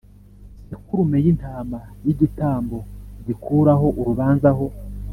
sekurume y intama y igitambo gikuraho urubanza ho